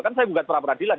kan saya gugat peradilan